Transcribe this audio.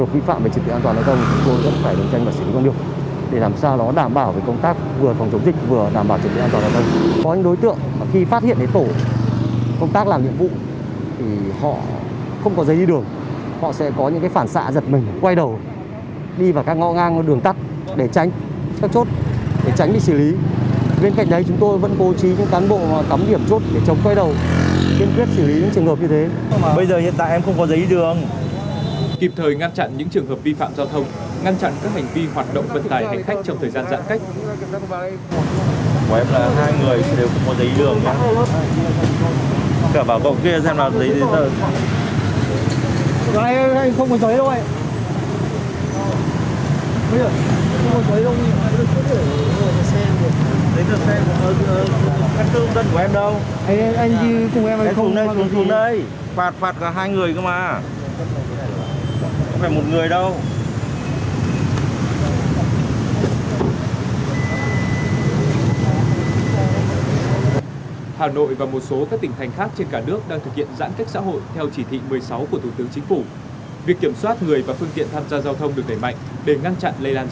việc kiểm soát người và phương tiện tham gia giao thông được đẩy mạnh để ngăn chặn lây lan dịch bệnh